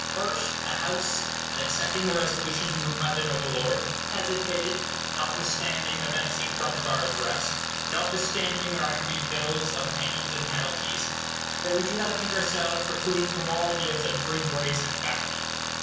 First, the House, in accepting the resolution moved by the noble lord, has admitted, notwithstanding the menacing front of our address, notwithstanding our heavy bills of pains and penalties that we do not think ourselves precluded from all ideas of free grace and bounty.